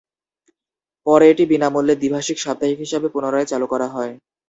পরে এটি বিনামূল্যে দ্বিভাষিক সাপ্তাহিক হিসাবে পুনরায় চালু করা হয়।